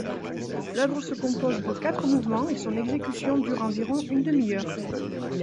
L'œuvre se compose de quatre mouvements et son exécution dure environ une demi-heure.